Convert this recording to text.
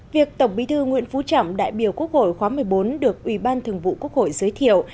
việc tổng bí thư nguyễn phú trọng đại biểu quốc hội khóa một mươi bốn được ủy ban thường vụ quốc hội giới thiệu